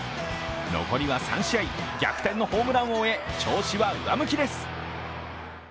残りは３試合、逆転のホームラン王へ調子は上向きです。